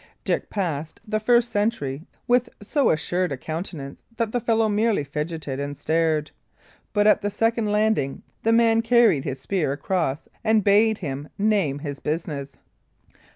Dick passed the first sentry with so assured a countenance that the fellow merely figeted and stared; but at the second landing the man carried his spear across and bade him name his business.